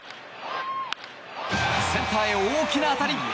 センターへ大きな当たり。